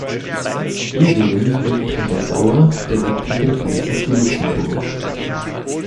Edingen liegt an der Sauer direkt an der Grenze zu Luxemburg.